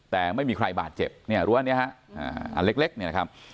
แต่ไม่มีใครบาดเจ็บรั้วนี้ถึงหลักเล็ก